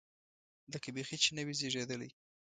لکه بیخي چې نه وي زېږېدلی.